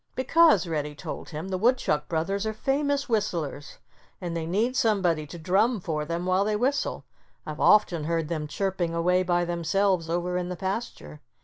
"Because," Reddy told him, "the Woodchuck brothers are famous whistlers. And they need somebody to drum for them while they whistle. I've often heard them chirping away by themselves over in the pasture.